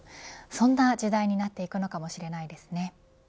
そんな時代になっていくのかもしれないですね。